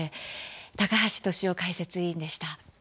高橋俊雄解説委員でした。